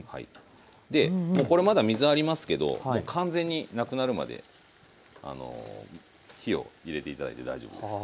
でこれまだ水ありますけどもう完全になくなるまで火を入れて頂いて大丈夫です。